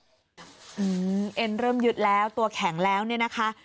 อืมเอ็นเริ่มยึดแล้วตัวแข็งแล้วเนี่ยนะคะ